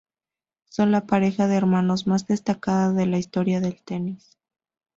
Son la pareja de hermanos más destacada de la historia del tenis.